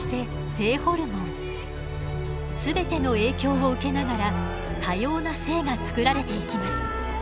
全ての影響を受けながら多様な性が作られていきます。